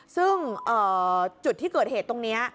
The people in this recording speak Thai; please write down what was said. ซึ่งจุดที่เกิดเหตุตรงนี้